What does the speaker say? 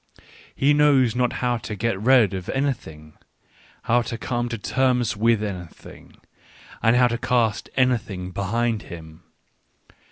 He knows not how to get rid of any thing, how to come to terms with anything, and how to cast anything behind him.